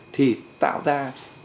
thì tạo ra một cái sự